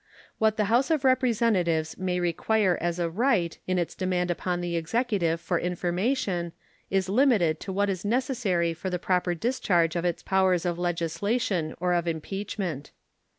What the House of Representatives may require as a right in its demand upon the Executive for information is limited to what is necessary for the proper discharge of its powers of legislation or of impeachment.